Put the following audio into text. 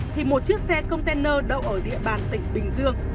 thì một chiếc xe container đậu ở địa bàn tỉnh bình dương